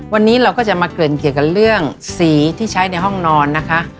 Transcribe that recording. วันนี้เราก็จะมาเกริ่นเกี่ยวกับเรื่องสีที่ใช้ในห้องนอนนะคะ